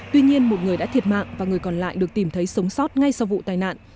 tuy nhiên một người đã thiệt mạng và người còn lại được tìm thấy sống sót ngay sau vụ tai nạn